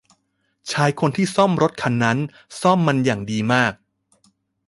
ชายคนที่ซ่อมรถคันนั้นซ่อมมันอย่างดีมาก